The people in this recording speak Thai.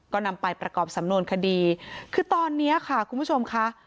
ก็นำไปประกอบสำนวนคดีคือตอนนี้ค่ะคุณผู้ชมค่ะ